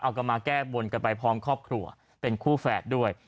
เอากันมาแก้บนกันไปพร้อมครอบครัวเป็นคู่แฝดด้วย